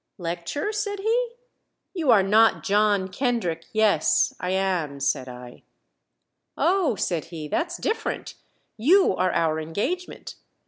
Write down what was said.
"Lecture?" said he. "You are not John Kendrick " "Yes I am," said I. "Oh," said he, "that's different. You are our engagement.